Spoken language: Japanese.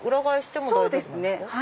そうですね。